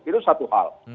itu satu hal